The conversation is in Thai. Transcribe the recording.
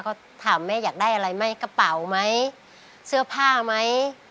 ก็ถามแม่อยากได้อะไรไหมกระเป๋าไหมเสื้อผ้าไหม